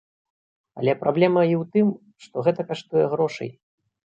Але праблема і ў тым, што гэта каштуе грошай.